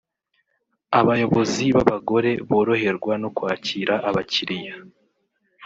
Abayobozi b’abagore boroherwa no kwakira abakiriya